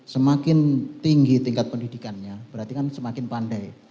semakin tinggi tingkat pendidikannya berarti kan semakin pandai